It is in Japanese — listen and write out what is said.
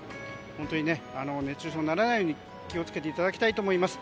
本当に熱中症にならないよう気を付けていただきたいと思います。